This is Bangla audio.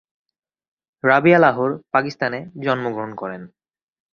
রাবিয়া লাহোর, পাকিস্তান-এ জন্মগ্রহণ করেন।